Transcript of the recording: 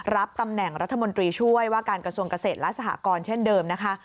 รับตำแหน่งรัฐมนตรีช่วยว่าการกระทรวงเกษตรและสหกรณ์เช่นเดิมนะคะ